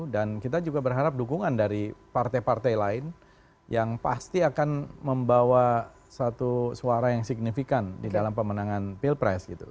dan kita juga berharap dukungan dari partai partai lain yang pasti akan membawa suara yang signifikan di dalam pemenangan pilpres gitu